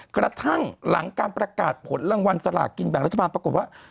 กระทั่งหลังการประกาศผลรางวัลสลากินแบ่งรัฐบาลปรากฏว่า